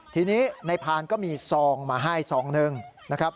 ทีนี้ในพานก็มีซองมาให้ซองหนึ่งนะครับ